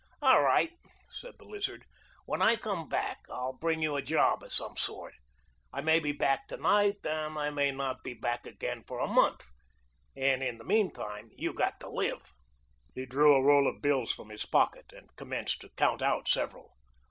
"All right," said the Lizard. "When I come back I'll bring you a job of some sort. I may be back to night, and I may not be back again for a month, and in the mean time you got to live." He drew a roll of bills from his pocket and commenced to count out several.